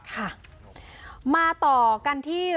ค่ะมาต่อกันที่